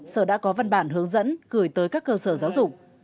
sở đã có văn bản hướng dẫn gửi tới các cơ sở giáo dục